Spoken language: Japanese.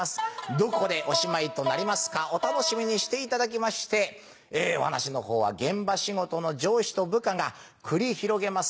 どこでおしまいとなりますかお楽しみにしていただきましてお話のほうは現場仕事の上司と部下が繰り広げます